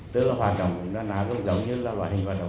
tức là hoạt động là nào giống như là loại hình hoạt động